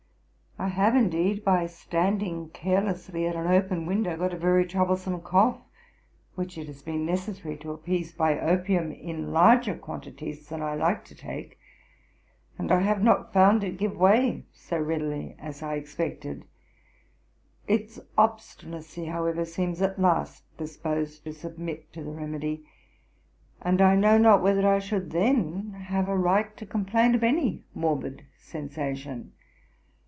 I have, indeed, by standing carelessly at an open window, got a very troublesome cough, which it has been necessary to appease by opium, in larger quantities than I like to take, and I have not found it give way so readily as I expected; its obstinacy, however, seems at last disposed to submit to the remedy, and I know not whether I should then have a right to complain of any morbid sensation.